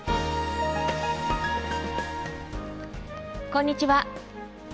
こんにちは。